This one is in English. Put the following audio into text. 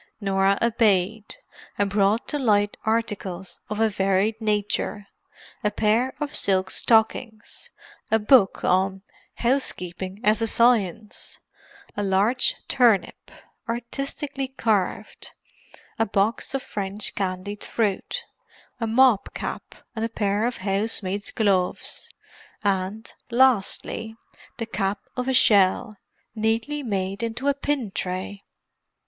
Norah obeyed, and brought to light articles of a varied nature; a pair of silk stockings, a book on Housekeeping as a Science, a large turnip, artistically carved, a box of French candied fruit, a mob cap and a pair of housemaids' gloves, and, lastly, the cap of a shell, neatly made into a pin tray.